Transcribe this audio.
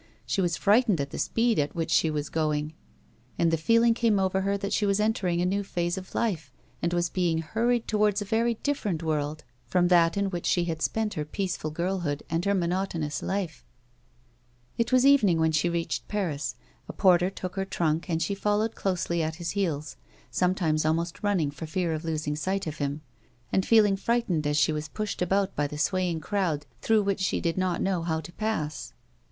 She was frightened at the speed at which she was going, and the feeling came over her that she was entering a new phase of life, and was being hurried towards a very different world from that in which she had spent her peaceful girl hood and her monotonous life. A WOMAN'S LIFE. It was evening when she reached Paris. A porter took her trunk, and she f(jllowed closely at his heels, sometimes almost running for fear of losing sight of him, and feeling frightened as she was puslied about by the swaying crowd through which she did not know how to pass.